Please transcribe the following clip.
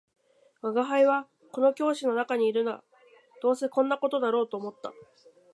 「吾輩はここの教師の家にいるのだ」「どうせそんな事だろうと思った